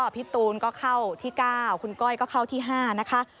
พี่ตูนก็เข้าที่๙คุณก้อยก็เข้าที่๕นะคะ